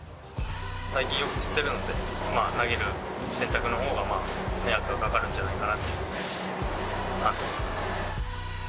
最近よくつってるので、投げる選択のほうが迷惑がかかるんじゃないかという判断ですかね。